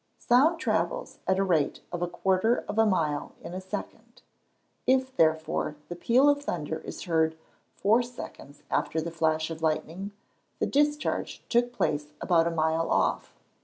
_ Sound travels at the rate of a quarter of a mile in a second. If, therefore, the peal of thunder is heard four seconds after the flash of lightning, the discharge took place about a mile off.